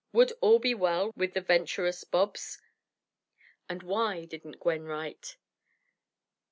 Would all be well with the venturous Bobs, and why didn't Gwen write?